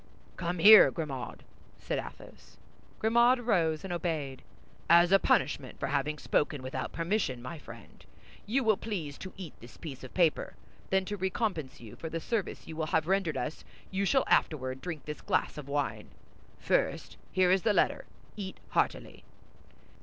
"Come here, Grimaud," said Athos. Grimaud rose and obeyed. "As a punishment for having spoken without permission, my friend, you will please to eat this piece of paper; then to recompense you for the service you will have rendered us, you shall afterward drink this glass of wine. First, here is the letter. Eat heartily."